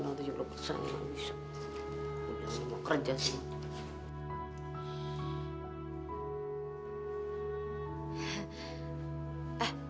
aku punya semua kerja sih